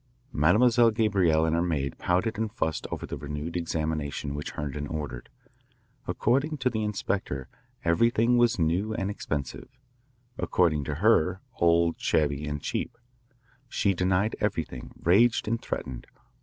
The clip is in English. Mademoiselle Gabrielle and her maid pouted and fussed over the renewed examination which Herndon ordered. According to the inspector everything was new and expensive; according to her, old, shabby, and cheap. She denied everything, raged and threatened.